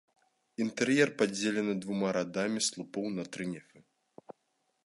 Інтэр'ер падзелены двума радамі слупоў на тры нефы.